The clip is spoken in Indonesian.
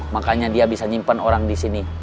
makanya dia bisa nyimpan orang di sini